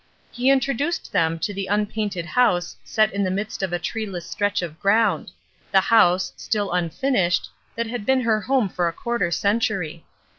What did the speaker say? He introduced them to the unpainted house set in the midst of a treeless stretch of ground the house, still unfinished, that had been her home for a quarter century.